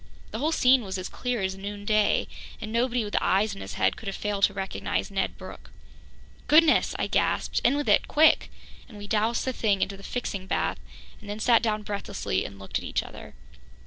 The whole scene was as clear as noonday, and nobody with eyes in his head could have failed to recognize Ned Brooke. "Goodness!" I gasped. "In with it quick!" And we doused the thing into the fixing bath and then sat down breathlessly and looked at each other.